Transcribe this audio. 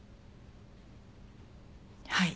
はい。